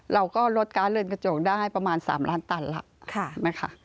เราก็ลดการเลินกระโจงได้ประมาณ๓ล้านตันแล้ว